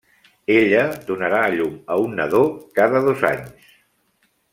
Ella donarà a llum a un nadó cada dos anys.